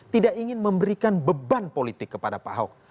tidak ingin memberikan beban politik kepada pak ahok